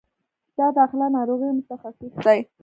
د داخله ناروغیو متخصص دی